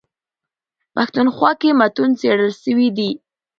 پښتونخوا کي متون څېړل سوي دي.